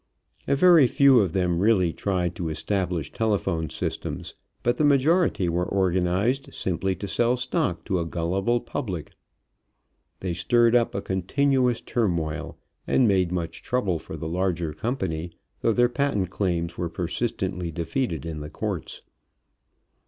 A very few of them really tried to establish telephone systems, but the majority were organized simply to sell stock to a gullible public. They stirred up a continuous turmoil, and made much trouble for the larger company, though their patent claims were persistently defeated in the courts.